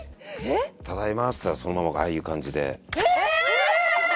「ただいま」っつったらそのままああいう感じでえ！